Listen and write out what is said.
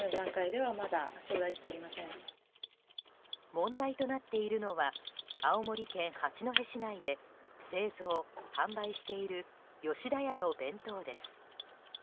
問題となっているのは青森県八戸市内で製造・販売している吉田屋の弁当です。